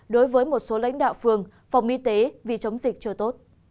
đối với một số lãnh đạo phường phòng y tế vì chống dịch chưa tốt